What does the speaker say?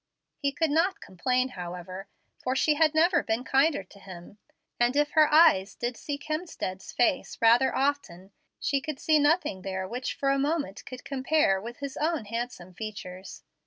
He could not complain, however, for she had never been kinder to him; and if her eyes did seek Hemstead's face rather often, she could see nothing there which for a moment could compare with his own handsome features.